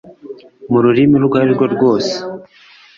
mu rurimi urwo ari rwo rwose